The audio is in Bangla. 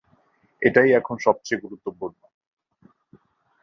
এটাই এখন সবচেয়ে গুরুত্বপূর্ণ।